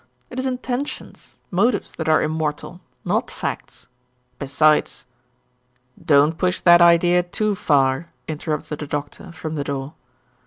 It is intentions motives, that are immortal, not facts. Besides " "Don't push that idea too far," interrupted the Doctor from the door.